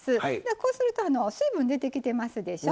こうすると水分出てきてますでしょ。